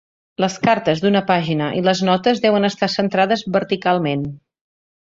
Les cartes d'una pàgina i les notes deuen estar centrades verticalment.